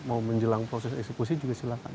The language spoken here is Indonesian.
mau menjelang proses eksekusi juga silakan